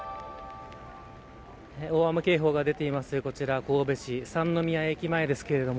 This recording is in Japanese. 大雨警報が出ているこちら神戸市三ノ宮駅の前です。